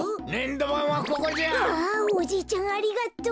あおじいちゃんありがとう。